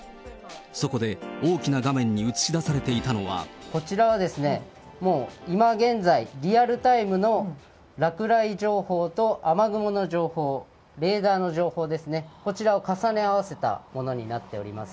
そこで、大きな画面に映し出されていたのは。こちらはもう、今現在、リアルタイムの落雷情報と雨雲の情報、レーダーの情報ですね、こちらを重ね合わせたものになっております。